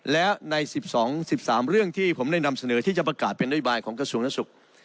แล้วใน๑๒๑๓เรื่องที่ผมได้นำเสนอที่จะประกาศเป็นนโยบายของกระทรวงสุข